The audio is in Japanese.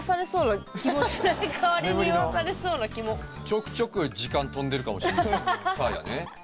ちょくちょく時間飛んでるかもしんないサーヤね。